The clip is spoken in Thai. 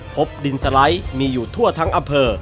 พบดินสไลด์มีอยู่ทั่วทั้งอำเภอ